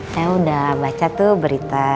saya udah baca tuh berita